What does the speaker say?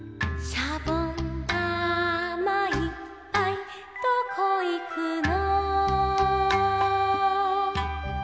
「しゃぼんだまいっぱいどこいくの」